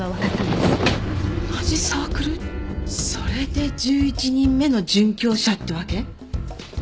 それで「１１人目の殉教者」ってわけ？